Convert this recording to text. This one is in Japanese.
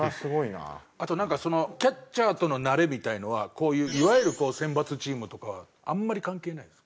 あとなんかそのキャッチャーとの慣れみたいなのはこういういわゆる選抜チームとかはあんまり関係ないですか？